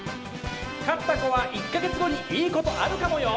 勝った子は１か月後にいいことあるかもよ！